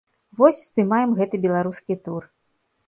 Вось, здымаем гэты беларускі тур.